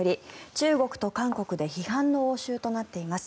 中国と韓国で批判の応酬となっています。